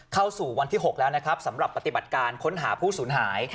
เข้าสู่วันที่๖แล้วนะครับสำหรับปฏิบัติการค้นหาผู้สูญหาย